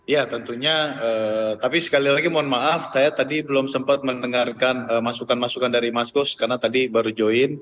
ya tentunya tapi sekali lagi mohon maaf saya tadi belum sempat mendengarkan masukan masukan dari mas kus karena tadi baru join